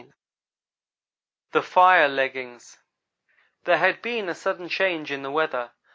THE FIRE LEGGINGS THERE had been a sudden change in the weather.